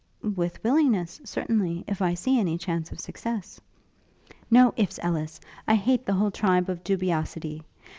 'With willingness, certainly, if I see any chance of success.' 'No ifs, Ellis. I hate the whole tribe of dubiosity.